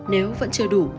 nếu vẫn chưa đủ